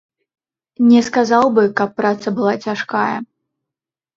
Не сказаў бы, каб праца была цяжкая.